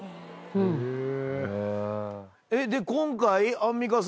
で今回アンミカさん。